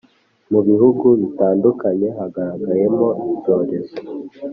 Mu bihugu bitandukanye hagaraagayemoicyorezo